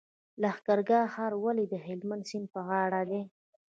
لښکرګاه ښار ولې د هلمند سیند په غاړه دی؟